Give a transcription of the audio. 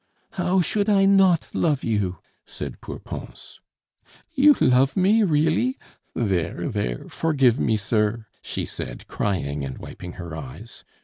"How should I not love you?" said poor Pons. "You love me, really?... There, there, forgive me, sir!" she said, crying and wiping her eyes.